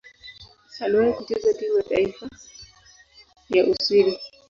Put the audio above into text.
Aliwahi kucheza timu ya taifa ya Uswidi.